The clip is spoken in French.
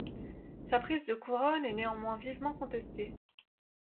Sa prise de couronne est néanmoins vivement contestée.